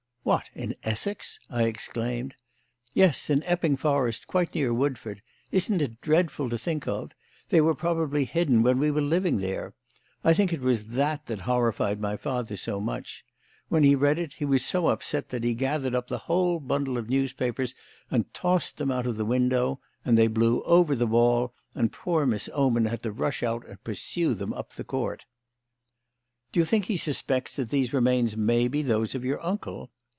"What! in Essex?" I exclaimed. "Yes, in Epping Forest, quite near Woodford. Isn't it dreadful to think of it? They were probably hidden when we were living there. I think it was that that horrified my father so much. When he read it he was so upset that he gathered up the whole bundle of newspapers and tossed them out of the window; and they blew over the wall, and poor Miss Oman had to rush out and pursue them up the court." "Do you think he suspects that these remains may be those of your uncle?"